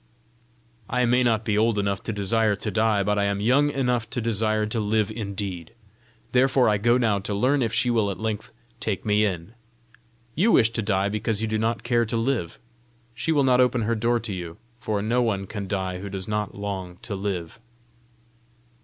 "I may not be old enough to desire to die, but I am young enough to desire to live indeed! Therefore I go now to learn if she will at length take me in. You wish to die because you do not care to live: she will not open her door to you, for no one can die who does not long to live."